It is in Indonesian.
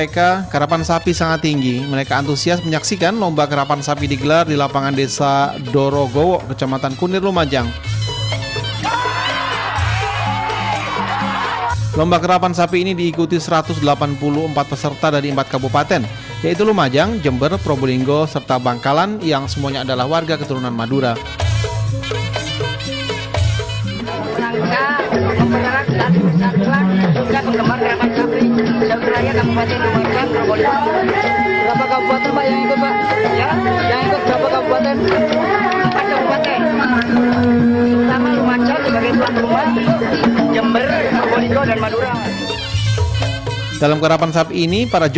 kepala kepala kepala